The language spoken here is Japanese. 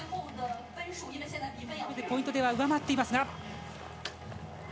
ポイントでは上回っていますが。